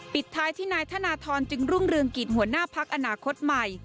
ปิดท้ายที่นายธนทรจึงรุ่งเรืองกิจหัวหน้าพักอนาคตใหม่